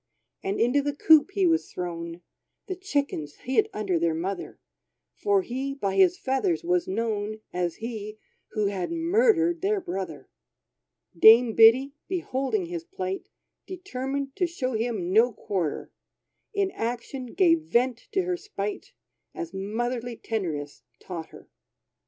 And into the coop he was thrown: The chickens hid under their mother, For he, by his feathers was known As he, who had murdered their brother Dame Biddy, beholding his plight, Determined to show him no quarter, In action gave vent to her spite; As motherly tenderness taught her.